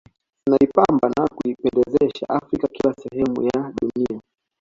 Zinaipamba na kuipendezesha Afrika kila sehemu ya dunia